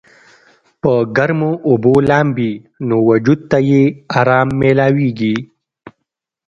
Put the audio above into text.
پۀ ګرمو اوبو لامبي نو وجود ته ئې ارام مېلاويږي